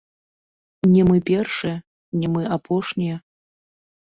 Не мы першыя, не мы апошнія.